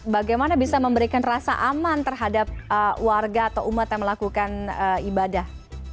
bagaimana bisa memberikan rasa aman terhadap warga atau umat yang melakukan ibadah